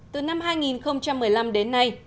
từ năm hai nghìn một mươi năm đến nay